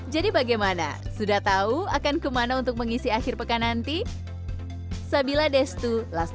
jadi bagaimana sudah tahu akan kemana untuk mengisi akhir pekan nanti